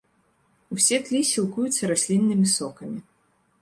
Усе тлі сілкуюцца расліннымі сокамі.